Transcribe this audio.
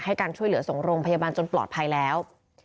การช่วยเหลือส่งโรงพยาบาลจนปลอดภัยแล้ว